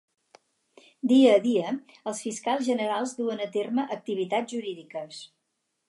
Dia a dia els fiscals generals duen a terme activitats jurídiques.